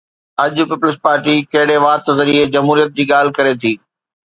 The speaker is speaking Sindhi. اڄ پيپلز پارٽي ڪهڙي وات ذريعي جمهوريت جي ڳالهه ڪري ٿي؟